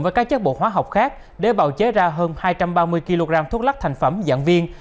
với các chất bộ hóa học khác để bào chế ra hơn hai trăm ba mươi kg thuốc lắc thành phẩm dạng viên